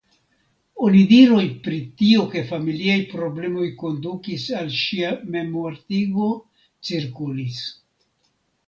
Onidiroj pri tio ke familiaj problemoj kondukis al ŝia memmortigo cirkulis.